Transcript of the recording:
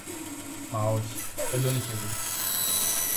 Μα όχι, δεν τον είχε δει.